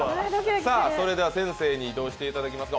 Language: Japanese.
では先生に移動していただきます。